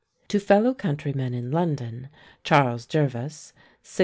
To fellow countrymen in London, Charles Jervas (1675?